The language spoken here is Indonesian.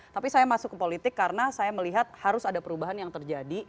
tapi saya masuk ke politik karena saya melihat harus ada perubahan yang terjadi